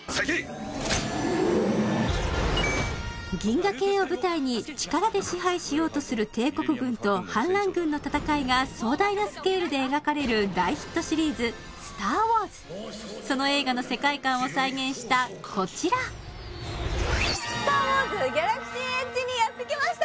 銀河系を舞台に力で支配しようとする帝国軍と反乱軍の戦いが壮大なスケールで描かれる大ヒットシリーズ「スター・ウォーズ」その映画の世界観を再現したこちらにやってきました！